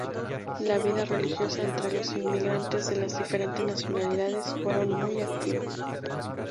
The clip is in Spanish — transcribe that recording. La vida religiosa entre los inmigrantes de las diferentes nacionalidades fueron muy activa.